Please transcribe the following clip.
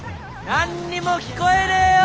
何にも聞こえねえよ！